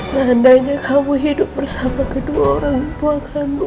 seandainya kamu hidup bersama kedua orang tua kamu